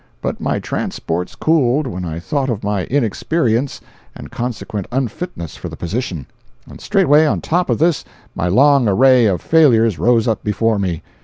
But my transports cooled when I thought of my inexperience and consequent unfitness for the position—and straightway, on top of this, my long array of failures rose up before me.